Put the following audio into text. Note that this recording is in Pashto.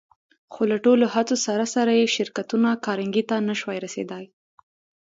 خو له ټولو هڅو سره سره يې شرکتونه کارنګي ته نه شوای رسېدای.